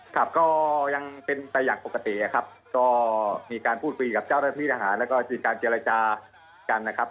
ครับก็ยังเป็นไปอย่างปกติครับก็มีการพูดคุยกับเจ้าหน้าที่ทหารแล้วก็มีการเจรจากันนะครับ